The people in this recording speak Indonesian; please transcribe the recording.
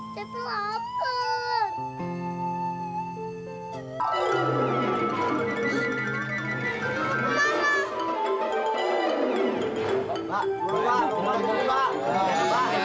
sampai jumpa di video selanjutnya